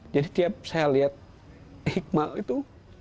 jadi setiap saya lihat hikmah itu